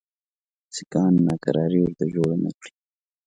سیکهان ناکراري ورته جوړي نه کړي.